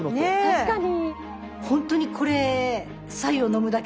確かに。